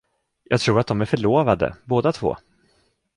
Jag tror att de är förlovade, båda två.